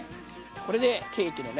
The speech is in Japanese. これでケーキのね